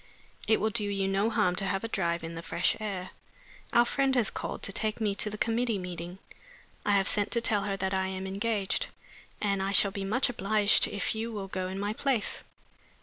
It will do you no harm to have a drive in the fresh air. Our friend has called to take me to the committee meeting. I have sent to tell her that I am engaged and I shall be much obliged if you will go in my place."